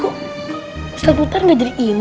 kok ustadz mutar nggak jadi imam